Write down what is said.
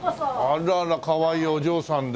あらあらかわいいお嬢さんで。